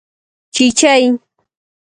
🐤چېچۍ